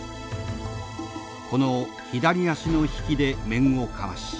この左足の引きで面をかわし